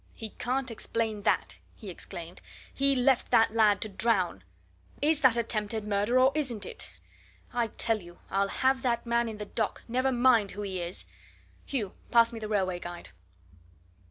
"He can't explain that!" he exclaimed. "He left that lad to drown! Is that attempted murder, or isn't it? I tell you, I'll have that man in the dock never mind who he is! Hugh, pass me the railway guide."